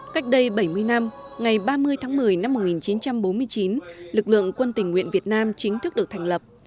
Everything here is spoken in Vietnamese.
cách đây bảy mươi năm ngày ba mươi tháng một mươi năm một nghìn chín trăm bốn mươi chín lực lượng quân tình nguyện việt nam chính thức được thành lập